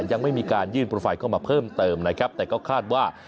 ยังไม่มีการยื่นโปรไฟล์เข้ามาเพิ่มเติมนะครับแต่ก็คาดว่า